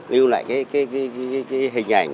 lưu lại cái hình ảnh